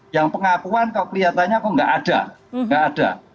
yang pengakuan kalau kelihatannya kok tidak ada